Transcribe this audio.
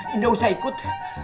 dinda usah ikut